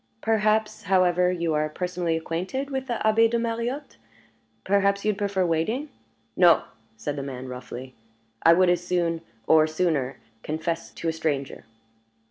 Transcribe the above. Perhaps, however, you are personally acquainted with the Abbé de Mariotte? Perhaps you would prefer waiting " "No!" said the man, roughly. "I would as soon, or sooner, confess to a stranger."